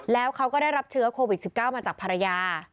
แล้วเขาก็ได้รับเชื้อโควิด๑๙มาจากภรรยา